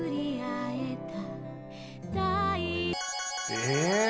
え